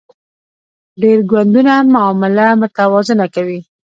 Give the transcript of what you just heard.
ډیر ګوندونه معامله متوازنه کوي